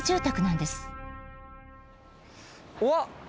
うわっ！